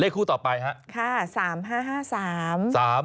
คู่ต่อไปครับ